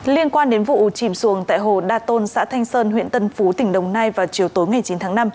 liên quan đến vụ chìm xuồng tại hồ đa tôn xã thanh sơn huyện tân phú tỉnh đồng nai vào chiều tối ngày chín tháng năm